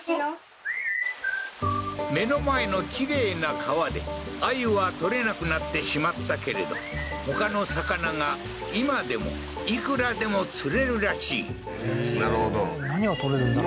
目の前のきれいな川で鮎は取れなくなってしまったけれどほかの魚が今でもいくらでも釣れるらしいなるほど何が取れるんだろう？